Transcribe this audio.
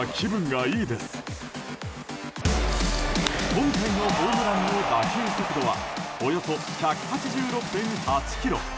今回のホームランの打球速度はおよそ１８６．８キロ。